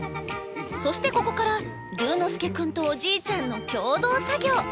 そしてここから琉之介君とおじいちゃんの共同作業！